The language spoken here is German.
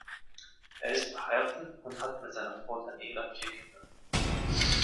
Er ist verheiratet und hat mit seiner Frau Daniela vier Kinder.